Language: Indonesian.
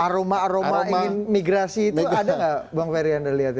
aroma aroma ingin migrasi itu ada gak bang ferry yang dilihat ya